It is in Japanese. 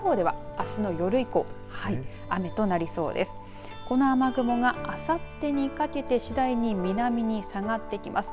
この雨雲があさってにかけて次第に南に下がっていきます。